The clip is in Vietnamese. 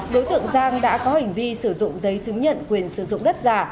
đối tượng giang đã có hành vi sử dụng giấy chứng nhận quyền sử dụng đất giả